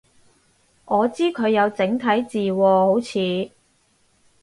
我知佢有整字體喎好似